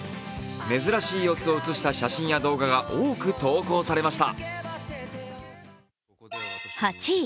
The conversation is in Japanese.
珍しい様子をうつした写真や動画が多く投稿されました。